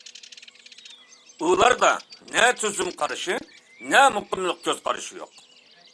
ئۇلاردا نە تۈزۈم قارىشى، نە مۇقىملىق كۆز قارىشى يوق.